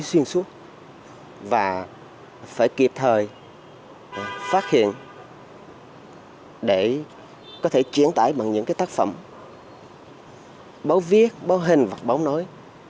phải xuyên suốt và phải kịp thời phát hiện để có thể triển tải bằng những tác phẩm báo viết báo hình và báo nói